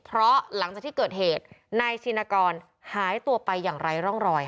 เพราะหลังจากที่เกิดเหตุนายชินกรหายตัวไปอย่างไร้ร่องรอย